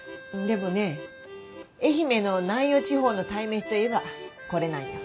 でもね愛媛の南予地方の鯛めしといえばこれなんよ。